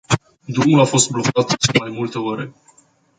Drumul a fost blocat mai multe ore.